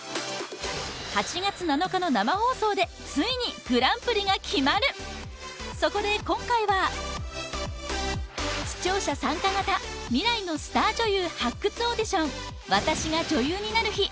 ８月７日の生放送でついにグランプリが決まるそこで今回は視聴者参加型未来のスター女優発掘オーディション「私が女優になる日」